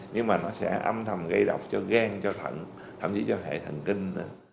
nhưng mà nó sẽ âm thầm gây độc cho gan cho thận thậm chí cho hệ thần kinh